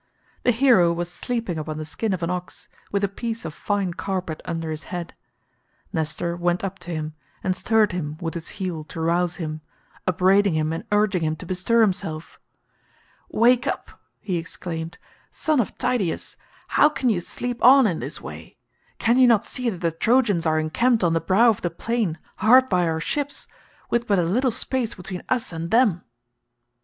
The hero was sleeping upon the skin of an ox, with a piece of fine carpet under his head; Nestor went up to him and stirred him with his heel to rouse him, upbraiding him and urging him to bestir himself. "Wake up," he exclaimed, "son of Tydeus. How can you sleep on in this way? Can you not see that the Trojans are encamped on the brow of the plain hard by our ships, with but a little space between us and them?"